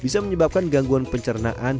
bisa menyebabkan gangguan pencernaan